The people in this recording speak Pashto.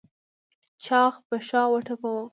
چاغ په شا وټپوه.